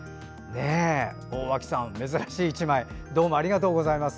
大脇さん、珍しい１枚ありがとうございます。